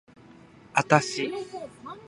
あたし